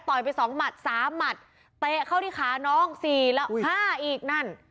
ไปสองหมัดสามหมัดเตะเข้าที่ขาน้องสี่แล้วฆ่าอีกนั่น